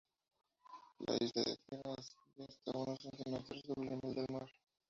La isla de Tierra asciende hasta unos once metros sobre el nivel del mar.